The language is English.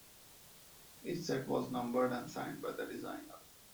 Each set was numbered and signed by the designer.